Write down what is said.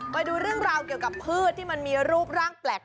ไปดูเรื่องราวเกี่ยวกับพืชที่มันมีรูปร่างแปลก